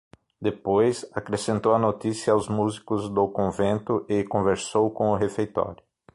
Depois, acrescentou a notícia aos músicos do convento e conversou com o refeitório.